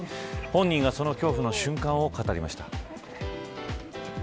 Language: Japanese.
本人がその恐怖の瞬間を語りました。